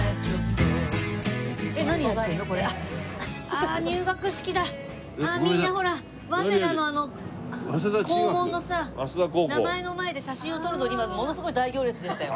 ああみんなほら早稲田のあの校門のさ名前の前で写真を撮るのに今ものすごい大行列でしたよ。